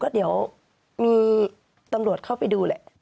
เดี๋ยวมีตำรวจเข้าไปดูแหละ